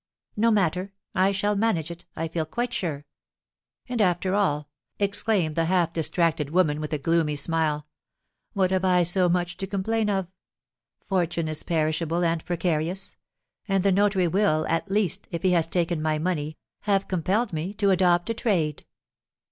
No matter; I shall manage it, I feel quite sure. And, after all," exclaimed the half distracted woman, with a gloomy smile, "what have I so much to complain of? Fortune is perishable and precarious; and the notary will, at least, if he has taken my money, have compelled me to adopt a trade."